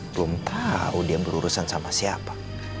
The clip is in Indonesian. belum tahu dia berurusan sama siapa